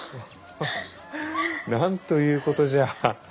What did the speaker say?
なんということじゃ。